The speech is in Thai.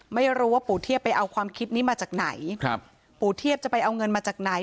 ไม่รู้ว่าปู่เทียบไปเอาความคิดนี้มาจากไหนครับปู่เทียบจะไปเอาเงินมาจากไหน